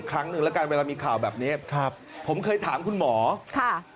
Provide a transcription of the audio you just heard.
ครั้งหนึ่งแล้วกันเวลามีข่าวแบบนี้ครับผมเคยถามคุณหมอค่ะ